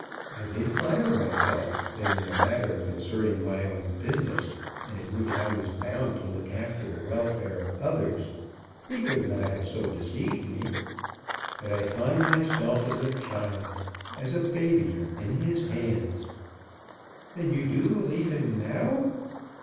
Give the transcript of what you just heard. I did flatter myself that in a matter concerning my own business, and in which I was bound to look after the welfare of others, he could not have so deceived me; but I find myself as a child as a baby in his hands." "Then you do believe him now?"